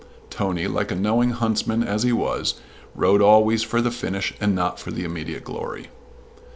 Tony, like a knowing huntsman as he was, rode always for the finish and not for immediate glory.